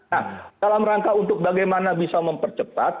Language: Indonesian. nah dalam rangka untuk bagaimana bisa mempercepat